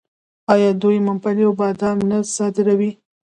آیا دوی ممپلی او بادام نه صادروي؟